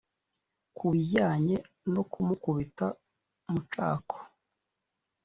Ku bijyanye no kumukubita mucako